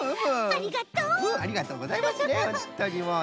ありがとうございますね